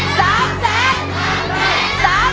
๓แสน